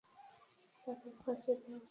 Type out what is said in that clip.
তাদের ফাঁসি হওয়া উচিত।